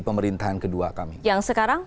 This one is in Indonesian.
pemerintahan kedua kami yang sekarang